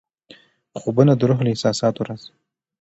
خوبونه د روح له احساساتو راځي.